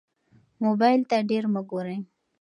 موبایل ته ډېر مه ګورئ.